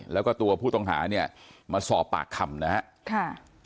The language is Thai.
แล้วก็ตัวผู้ต้องหาเนี่ยมาสอบปากคำนะครับ